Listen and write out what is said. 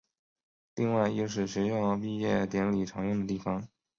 另外亦是学校毕业典礼常用的地方。